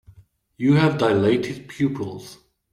You have dilated pupils.